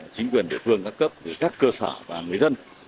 chính quyền địa phương các cấp các cơ sở và người dân